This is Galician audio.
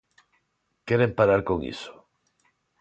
Queren parar con iso?